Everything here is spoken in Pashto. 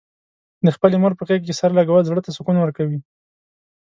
د خپلې مور په غېږه کې سر لږول، زړه ته سکون ورکوي.